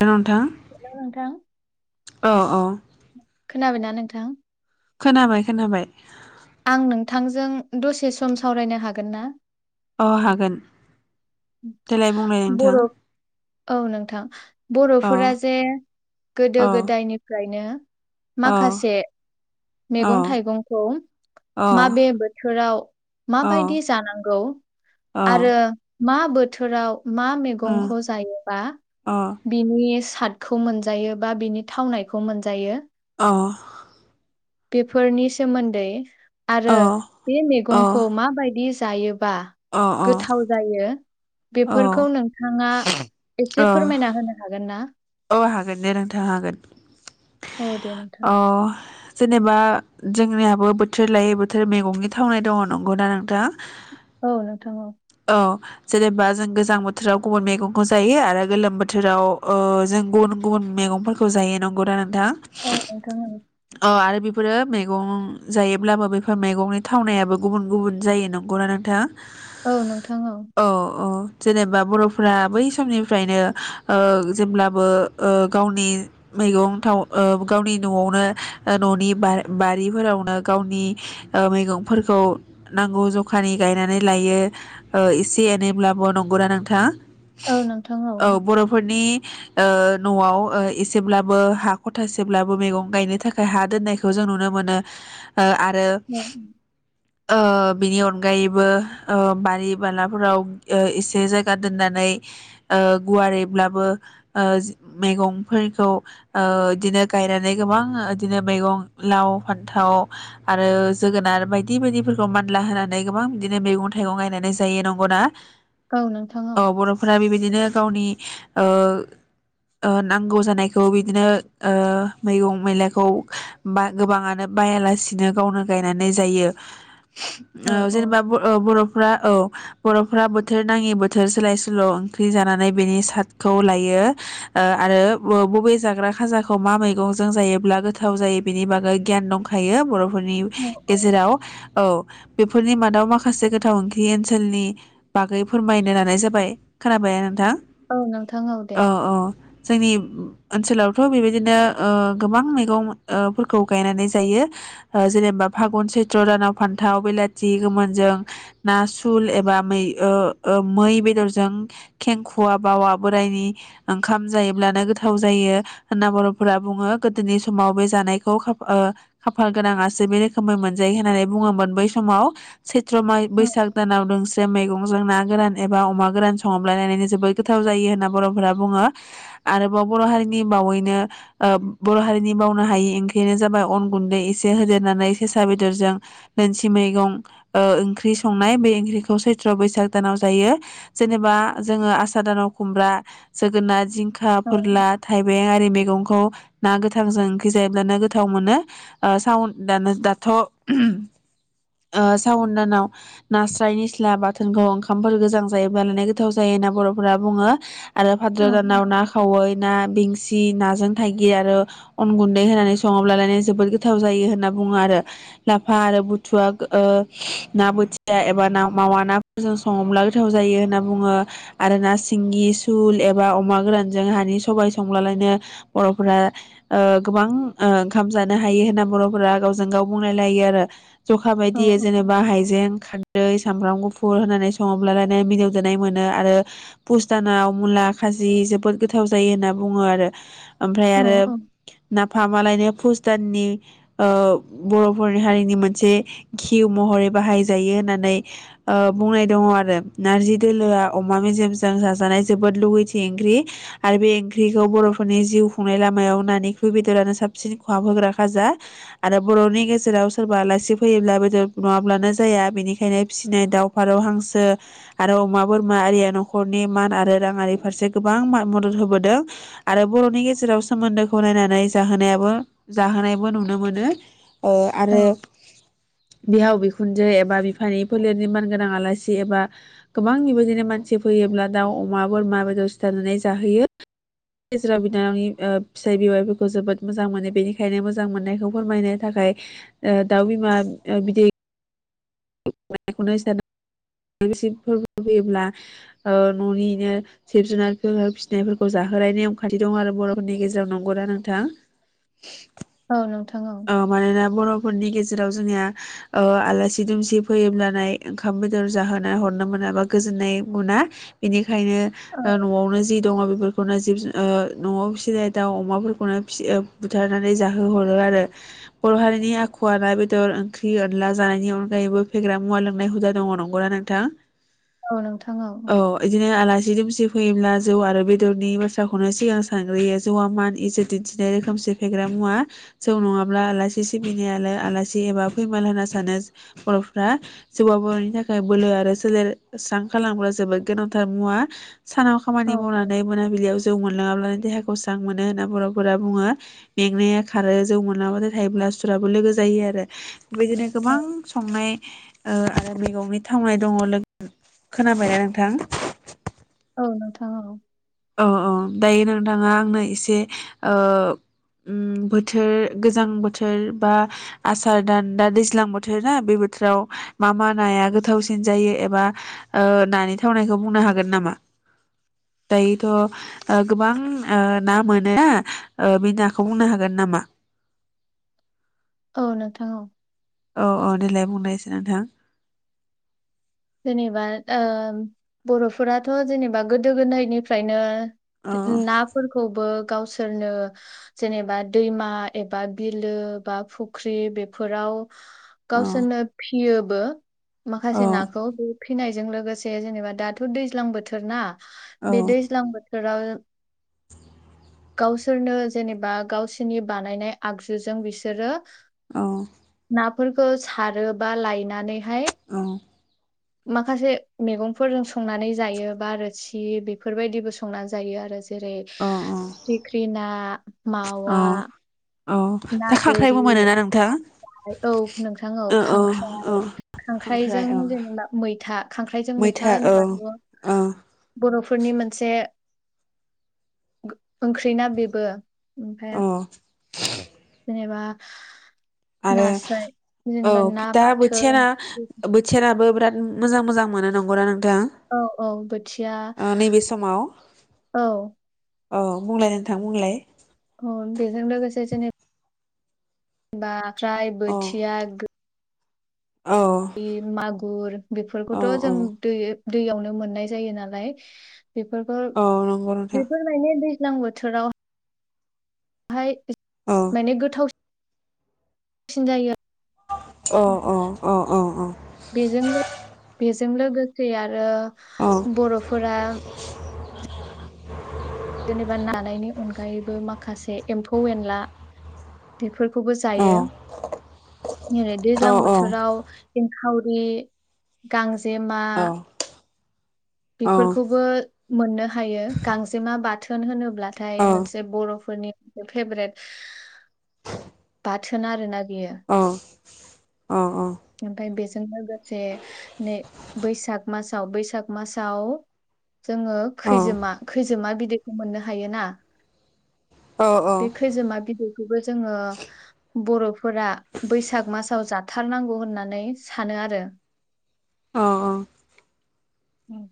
Hello नोंथां नोंथां अ अ खोनाबायना नोंथां? खोनाबाय खोनाबाय। आं नोंथांजों दसे सम सावरायनो हागोन ना? अ हागोन। देलाय बुंलाय नोंथां बर' औ नोंथां अ बर'फोरा जे गोदो अ गोदायनिफ्रायनो अ माखासे अ मैगं थाइगंखौ अ माबे बोथोराव माबायदि अ जानांगौ अ आरो मा बोथोराव मा उम मैगंखौ जायोबा अ बिनि साटखौ मोनजायो बा बिनि थावनायखौ मोनजायो अ बेफोरनि सोमोन्दै अ आरो बे मैगंखौ माबायदि जायो बा अ गोथाव जायो अ बेफोरखौ नोंथाङा एसे अ फोरमायना होनो हागोन ना? औ हागोन दे नोंथां हागोन औ दे नोंथां अ जेनेबा जोंनियाबो बोथोर लायै बोथोर मैगंनि थावनाय दङ नंगौना नोंथां औ नोंथां औ अ जेनेबा जों गोजां बोथोराव गुबुन मैगंखौ जायो आरो गोलोम बोथोराव ओ जों गुबुन गुबुन मैगंफोरखौ जायो नंगौ दा दा अ आरो बेफोरो मैगं जायोब्लाबो बेफोर मैगंनि थावनायाबो गुबुन गुबुन जायो नंगौना नोंथां ओ नोंथां औ। जेनेबा बर'फोरा बै समनिफ्रायनो ओ जेब्ला बो ओ गावनि मैगं थाव ओ गावनि न'आवनो ओ न'नि बारिफोरावनो गावनि ओ मैगंफोरखौ नांगौ जखानि गायनानै लायो ओ एसे एनैब्लाबो नंगुरा नोंथाङा। औ नोंथां औ बर'फोरनि [inaudible] ओ न'आव ओ एसेब्लाबो हा खथासेब्लाबो मैगं गायनो थाखाय हा दोननायखौ जों नुनो मोनो। ओ आरो ओ बिनि अनगायैबो ओ बारि बालाफोराव ओ एसे ओ जायगा दोननानै ओ गुवारैब्लाबो। ओ मैगंफोरखौ ओ बिदिनो गायनानै गोबां बिदिनो मैगं लाव फान्थाव आरो जोगोनार बायदि बायदिफोरखौ मानला होनानै गोबां बिदिनो मैगं थाइगं गायनानै जायो नंगौना। औ नोंथां औ अ बर'फोरा बेबायदि दिनो गावनि ओ ओ नांगौ जानायखौ बिदिनो ओ- मैगं मैलाखौ बा-गोबाङानो बायालासिनो गावनो गायनानै जायो। औ औ नोंथां औ ओ-जेनेबा ब-बरफ्रा औ। बरफ्रा बोथोर नाङि बोथोर सोलाय सोल ओंख्रि जानानै बेनि सादखौ लायो। [unintelligible] आरो ब-बबे जाग्रा खाजाखौ मा मैगंजों जायोब्ला गोथाव जायो बेनि बागै गियान दंखायो बर। फोरनि औ गेजेराव। औ बेफोरनि मादाव माखासे गोथाव ओंख्रि ओनसोलनि बागै फोरमायनो लानाय जाबाय खोनाबाय ना नोंथां। औ नोंथां औ। दे। जोंनि ओनसोलावथ बेबायदिनो ओ-गोबां मैगं ओ-फोरखौ गायनानै जायो जेनेबा फागुन सैत्र दानाव फान्थाव बेलाथि गोमोनजों ना सुल एबा मै ओ-ओ मै बेदरजों खेंखुवा बावा बोरायनि। ओंखाम जायोब्लानो गोथाव जायो होनना बरफोरा बुङो गोदोनि समाव बे जानायखौ खाफ-खाफाल गोनाङासो बे रोखोमै मोनजायो होननानै बुङोमोन बै समाव। सैत्र माइ औ बैसाग दानाव दोंसे मैगंजों ना। गोरान एबा अमा गोरान सङोब्लालायनो जोबोद गोथाव जायो होनना। बरफोरा बुङो आरोबाव बर हारिनि बावैनो बर हारिनि बावनो हायि ओंख्रियानो जाबाय अन गुन्दै एसे होदेरनानै सेसा बेदरजों नोलसि मैगं ओ-ओंख्रि संनाय बे ओंख्रिखौ सैथ्र बैसाग दानाव जायो जेनेबा जोङो आसा दानाव खुमब्रा। जोगोनार जिं। खा औ फोरला थाइबें आरि मैगंखौ। ना गोथांजों ओंख्रि जायोब्लानो गोथाव मोनो ओ-साउन दा-दाथ उम ओ-साउन दानाव नास्राय निस्ला बाथोनखौ ओंखामफोर गोजां जायोबा गोथाव जायो होनना बरफोरा बुङो। आरो भाद्र औ दानाव ना खावै ना बिं। सि नाजों थायगि आरो अन गुन्दै होनानै सङोब्ला लायनो जोबोद गोथाव जायो होनना बुङो आरो लाफा आरो बुथुवा-गो-ओ ना बोथिया एबा ना मावा नाफोरजों सङोब्ला गोथाव जायो होनना बुङो आरो ना सिंगि। थुल एबा अमा गोरानजों हानि सबाय संब्लालायनो बरफोरा ओ- गोबां ओंखाम जानो हायो होनना बरफोरा गावजों गाव बुंलायलायो आरो। जखा बायदियै औ जेनेबा हाइजें खा। दै सामब्राम गुफुर होननानै सङोब्लालायनो मिलौदोनाय मोनो आरो फुस दानाव। मुला खाजि जोबोद गोथाव जायो होनना बुङो आरो। ओमफ्राय आरो औ औ नाफामालायनो फुस। दाननि ओ- बरफोर हारिनि मोनसे खिउ महरै बाहायजायो होनननै ओ-बुंनाय दङ आरो नारजि दोलोआ अमा मेजेमजों जाजानाय। जोबोद लुुबैथि ओंख्रि आरो बे ओंख्रिखौ बरफोरनि जिउ खुंनाय लामायाव नानिख्रुइ बेदरानो साबसिन खहाब होग्रा खाजा आरो बरनि गेजेराव सोरबा आलासि फैयोब्ला बेदर नङाब्लानो जाया बेनिखायनो फिसिनाय दाव फारौ हांसो आरो अमा बोरमा आरिया नखरनि मान आरो। राङारि फारसे गोबां मा-दद होबोदों आरो बरनि गेजेराव सोमोन्दोखौ नायनानै जाहोनायाबो जाहोनायबो नुनो मोनो। ओ औ आरो। बिहाव बिखुनजो एबा बिफानि फोलेरनि मानगोनां आलासि एबा गोबां बिबादिनो मानसि फैयोब्ला दाउ। अमा बोरमा बेदर सिथारनानै जाहोयो जेराव बिनावनि ओ-फिसाइ बेवाइफोरखौ जोबोद मोजां मोनो बेनिखायनो मोजां मोननायखौ फोरमायनो थाखाय दाउ बिमा बिदै। [unintelligible] फोर फैयोब्ला ओ ननिनो जिब जुनारफोर फिसिनायफोरखौ जाहोनाय नेम खान्थि दं आरो बरफोरनि गेजेराव नंगौ ना नोंथां। औ नोंथ। अ मानोना। बरफोरनि गेजेराव जोंनिया ओ-आलासि दुमसि फैयोब्लानाय ओंखाम बेदर जाहोनाय हरनो मोना बा गोजोन्नाय मोना इनि। ओंखायनो औ ओ-नआवनो जे। दङ बेफोरखौनो जिब ओ-जुन नआव फिसिनाय दावउ अमाफोरखौनो-फिस बुथारनानै जाहो हरो आरो। बर हारिनि आखु आ ना बेदर ओंख्रि अनला जानायनि अनगायैबो फेग्रा मुवा लोंनाय हुदा दङ नंगौना नोंथां। औ नोंथां औ। दिदुमसि फैयोब्ला जौ आरो बेदरनि बाथ्राखौनो सिगां सानग्रोयो जौआ मान इजत दिन्थिनाय रोखोमसे फेग्रा मुवा जौ नङाब्ला। ब्ला आलासि सिबिनाय आलासि एबा फैमाल होनना सानो बर'फ्रा जौआ बर'नि थाखाय बोलो आरो सोलेर स्रां खालामब्ला जोबोद गोनांथार मुवा। सानाव औ खामानि मावनानै मोनाबिलियाव जौ मोनलाङाब्लानो देहाखौ स्रां। मोनो होन बर' फोरा बुङो मेंनाया खारो जौ। मोनाबाथाय थायोब्ला सुराबो लोगो जायो आरो बिदिनो गोबां संनाय ओ आरो मैगंनि थावनाय दङ खोनाबायना नोंथां। औ नोंथां औ। औ-औ दायो नोंथाङा आंनो एसे ओ उम बोथोर गोजां बोथोर बा आसार दान दा दैज्लां बोथोर ना बे बोथोराव मा-मा नाया गोथावसिन जायो एबा ओ नानि थावनायखौ बुंनो हागोन नामा। दायोथ' ओ गोबां ओ ना मोनो बे नाखौ बुंनो हागोन नामा। औ नोंथां औ। औ औ देलाय बुंनायसाय नोंथां। जेनेबा ओ बर'फोराथ' जेनेबा गोदो गोनदायनिफ्रायनो। औ नाफोरखौबो। गावसोरनो जेनेबा दैमा एबा बिलो बा फुख्रि बेफोराव। औ गावसोनो फियो। बो। औ माखासे ना। फिनायजों लोगोसे जेनेबा दाथ' दैज्लां बोथोर ना। औ बे दैज्लां बो। सोर। गावसोरनो जेनेबा गावसोरनि बानायनाय आगजुजों बिसोरो। औ। नाफोरखौ सारोबा लायनानै। औ। माखासे मेगंफोरजों संनानै जायो बा रोसि बेफोरबायदिबो संनानै जायो आरो। जेरै औ फिथिख्रिना औ मावा। औ ना दा गोरि खांख्राइबो मोनोना नोंथां? नास्राय औ नोंथां औ औ खांख्राइ खांख्राइ खांख्राइजों औ जेनेबा मैथा खांख्राइजों मैथा होनोबाथ' औ बर'फोरनि मोनसे। ओंख्रिना बेबो। ओमफ्राय। औ जेनेबा आरो नास्राय औ जेनेबा ना दा बोथिया ना बाथोन बोथिया नाबो बिराद मोजां मोजां मोनो नंगौना नों औ औ बोथिया नैबे समाव औ औ बुंलाय नोंथां बुंलाय अ बेजों लोगोसे जोंनि बा ख्राय औ बोथिया औ [unintelligible] मागुर औ बेफोरखौथ' जों औ दै दैयावनो मोननाय जायो नालाय बेफोरखौ औ नंगौ नोंथां बेफोर माने दै। लां बोथोराव हाय। औ माने गोथाव सिन जायो। औ औ औ औ बेजों बे जों लोगोसे आरो औ बर'फोरा जेनेबा नानायनि अनगायैबो माखासे एम्फौ एनला‌ बे बेफोरखौबो औ जायो ओेरै औ दैज्लां बोथोराव सिंखावरि गां जेमा बेफोरखौबो मोननो हायो गांजेमा बा थोन होनो ब्लाथाय मोनसे बर' फोरनि फेभरेट बाथोन आरोना औ ओमफाय बेजों लोगोसे नै बैसाग मासाव बैसाग मासाव जोङो खैजोमा खैजोमा बिदै मोननो हायोना बे खैजोमा बिदै बेबो जोङो बर'फोरा बैसाग मासाव जाथारनांगौ होननानै सानो आरो उम।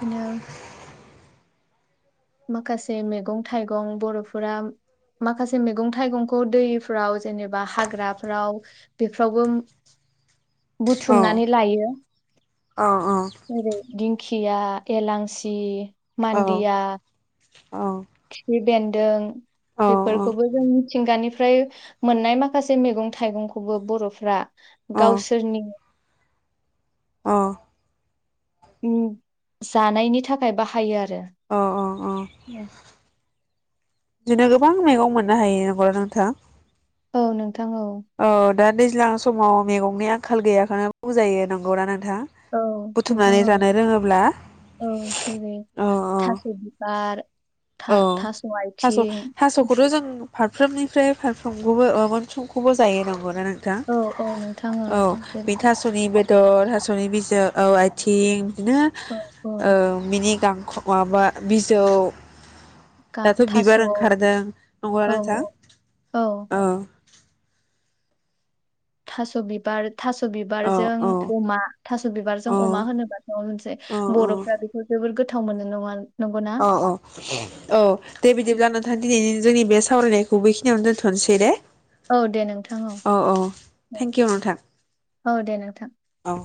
बिनो माखासे मेगं थाइगं बर'फोरा माखासे मेगं थाइगंखौ दैफ्राव जेनेबा हाग्राफ्राव बेफ्रावबो बुथुमनानै लायो। औ औ जेरै दिंखिया एलांसि मान्डिया खिफि बेन्दों बेफोरखौबो जों मिथिंगानिफ्राय मोननाय माखासे मैगं थाइगंखौबो बर'फ्रा गावसोरनि अ उम जानायनि थाखाय बाहायो आ अ अ अ बिदिनो गोबां मैगं मोननो हायो नंगौ नोंथां औ नोंथां ओं औ दा दैज्लां समाव मैगंनि आंखाल गैयाखौनो बुंजायो नंगौनाा नों औ नोंथां औ औ जेरै औ औ थास' बिबार औ था थास' थास' आथिं थास'खौथ' जों फारफ्रोमनिफ्राय फारफ्रोमखौबो मोनफ्रोमखौबो जायो नांगौ थां औ औ नोंथां औ जेरै बे थास'नि बेदर थास स'नि बिजौ औ आथिं बिदिनो औ औ ओ बिनि गां माबा बिजौ गा दाथ' थास' बिबार औ ओंखारदों नंगौ औ नोंथां औ थासबिबार थास' औ बिबारजों औ अमा थास' बिबारजों औ अमा होनोबाथ' मोनसे औ बर'फ्रा बेखौ जोबोद गो गोथाव मोनो नङा नंगौना अ औ औ दे बिदिब्ला नोंथां दिनैनि जोंनि बे सावरायनायखौ बेखिनियावनो दोनथ'नोसै दे औ दे नोंथां औ थेंकिउ नोंथां औ दे नोंथां। औ